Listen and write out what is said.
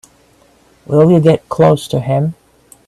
Will you get close to him?